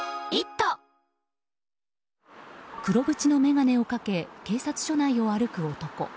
黒縁の眼鏡をかけ警察署内を歩く男。